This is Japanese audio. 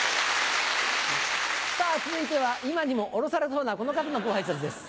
さぁ続いては今にもおろされそうなこの方のご挨拶です。